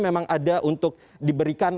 memang ada untuk diberikan